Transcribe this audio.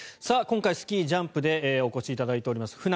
今回、スキージャンプでお越しいただいています